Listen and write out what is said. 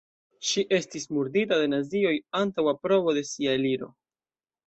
Ŝi estis murdita de nazioj antaŭ aprobo de sia eliro.